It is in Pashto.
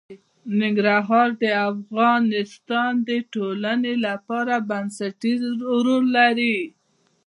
ننګرهار د افغانستان د ټولنې لپاره بنسټيز رول لري.